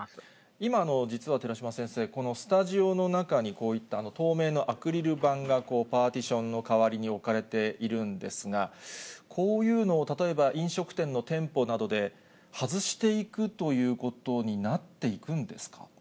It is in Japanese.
今、実は寺嶋先生、このスタジオの中に、こういった透明のアクリル板が、パーティションの代わりに置かれているんですが、こういうのを例えば、飲食店の店舗などで外していくということになっていくんですか。